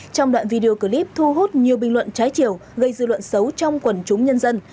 trong đoạn video clip thu hút nhiều bình luận trái chiều gây dư luận xấu trong quần chúng nhân dân